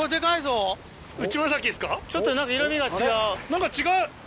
何か違う！